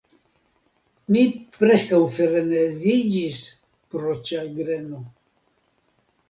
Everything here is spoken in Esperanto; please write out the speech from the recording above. Mi preskaŭ freneziĝis pro ĉagreno.